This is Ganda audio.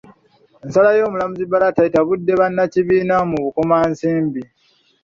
Ensala y'omulamuzi Barata etabudde bannakibiina mu Bukomansimbi